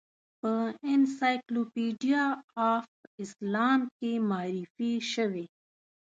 په انسایکلوپیډیا آف اسلام کې معرفي شوې.